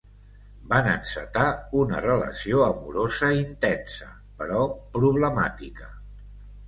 Van encetar una relació amorosa intensa, però problemàtica.